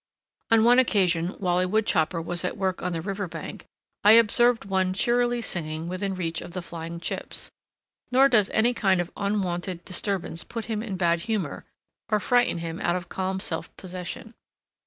On one occasion, while a wood chopper was at work on the river bank, I observed one cheerily singing within reach of the flying chips. Nor does any kind of unwonted disturbance put him in bad humor, or frighten him out of calm self possession.